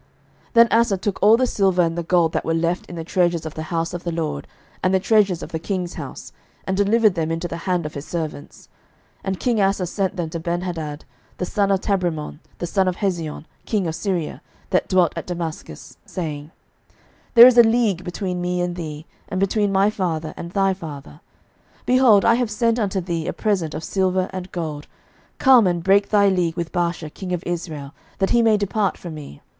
11:015:018 Then Asa took all the silver and the gold that were left in the treasures of the house of the LORD, and the treasures of the king's house, and delivered them into the hand of his servants: and king Asa sent them to Benhadad, the son of Tabrimon, the son of Hezion, king of Syria, that dwelt at Damascus, saying, 11:015:019 There is a league between me and thee, and between my father and thy father: behold, I have sent unto thee a present of silver and gold; come and break thy league with Baasha king of Israel, that he may depart from me.